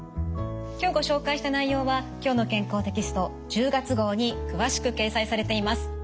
今日ご紹介した内容は「きょうの健康」テキスト１０月号に詳しく掲載されています。